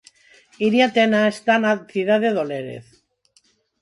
Iria Tena está na cidade do Lérez...